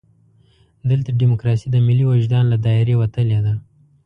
دلته ډیموکراسي د ملي وجدان له دایرې وتلې ده.